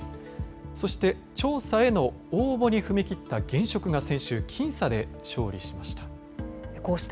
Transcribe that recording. そして、調査への応募に踏み切った現職が先週、僅差で勝利しました。